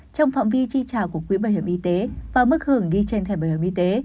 trong phạm vi chi trả của quỹ bảo hiểm y tế và mức hưởng ghi trên thẻ bảo hiểm y tế